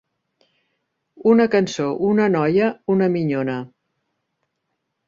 Una cançó, una noia, una minyona.